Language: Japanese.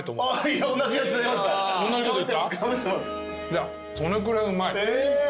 いやそのくらいうまい。